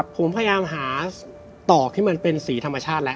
ผมพยายามหาตอกที่มันเป็นสีธรรมชาติแล้ว